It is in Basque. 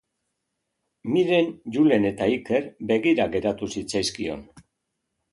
Miren, Julen eta Iker begira geratu zitzaizkion.